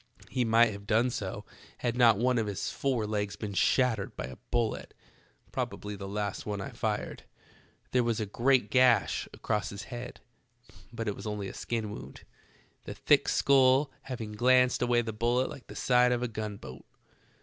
He might have done so had not one of his fore legs been shattered by a bullet, probably the last one I fired. There was a great gash across his head, but it was only a skin wound, the thick skull hav ing glanced away the bullet like the side of a gun boat.